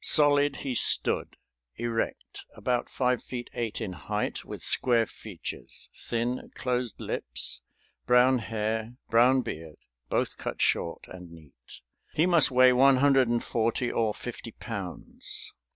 Solid he stood, erect, about five feet eight in height, with square features, thin, closed lips, brown hair, brown beard, both cut short, and neat. "He must weigh one hundred and forty or fifty pounds.